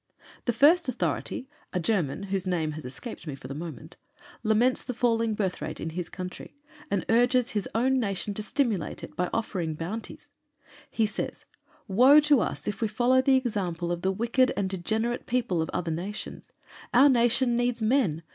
The first authority, a German, whose name has escaped me for the moment, laments the falling birth rate in his country, and urges his own nation to stimulate it by offering bounties; he says: "Woe to us if we follow the example of the wicked and degenerate people of other nations. Our nation needs men.